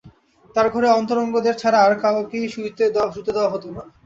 তাঁর ঘরে অন্তরঙ্গদের ছাড়া আর কাউকেই শুতে দেওয়া হত না।